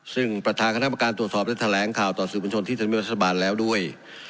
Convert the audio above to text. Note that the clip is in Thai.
ซึ่งประธานกรรมการตรวจสอบได้แถลงข่าวต่อสื่อบัญชนที่ธนมิวัฒนบาลแล้วด้วย